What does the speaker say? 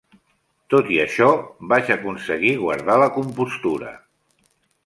Tot i això, vaig aconseguir guardar la compostura.